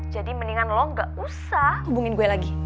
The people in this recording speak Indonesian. jadi mendingan lo gak usah hubungin gue lagi